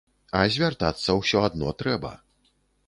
А звяртацца ўсё адно трэба.